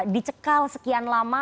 dicekal sekian lama